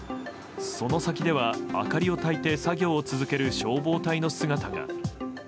その先では、明かりをたいて作業を続ける消防隊の姿が。